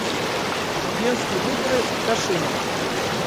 Губернские выборы в Кашине.